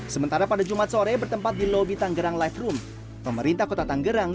sementara pada jumat sore bertempat di lobi tangerang live room pemerintah kota tanggerang